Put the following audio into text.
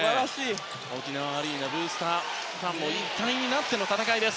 沖縄アリーナ、ブースターファンも一体になっての戦いです。